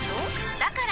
だから！